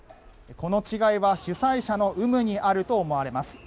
この違いは主催者の有無にあると思われます。